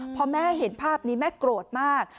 พอแม่เห็นภาพนี้แม่โกรธมาก